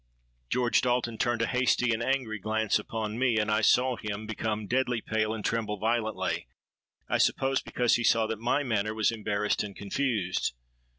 "George Dalton turned a hasty and angry glance upon me; and I saw him become deadly pale and tremble violently—I suppose because he saw that my manner was embarrassed and confused.